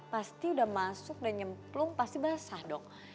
pasti udah masuk udah nyemplung pasti basah dong